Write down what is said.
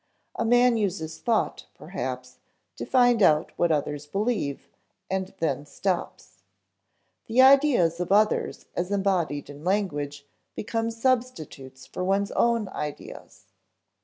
A man uses thought, perhaps, to find out what others believe, and then stops. The ideas of others as embodied in language become substitutes for one's own ideas.